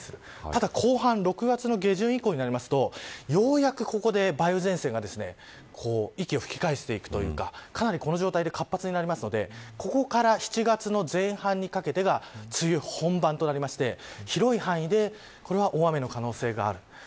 ただ、後半６月下旬以降になるとようやくここで梅雨前線が息を吹き返していくというかかなりこの状態で活発になるのでここから７月の前半にかけてが梅雨本番となりまして広い範囲で大雨の可能性がある。